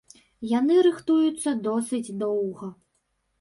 Яны рыхтуюцца досыць доўга.